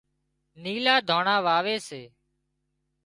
نيلُا ڌانڻا واوي سي